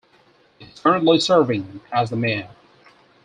He is currently serving as the Mayor.